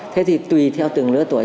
thế thì tùy theo từng lứa tuổi